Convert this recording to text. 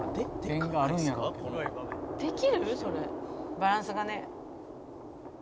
「バランスがね」